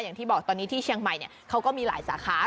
อย่างที่บอกตอนนี้ที่เชียงใหม่เขาก็มีหลายสาขา